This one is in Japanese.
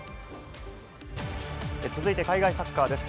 続いて海外サッカーです。